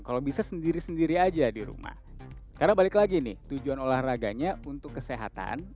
kalau bisa sendiri sendiri aja di rumah karena balik lagi nih tujuan olahraganya untuk kesehatan